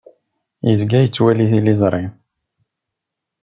Yezga yettwali tiliẓri.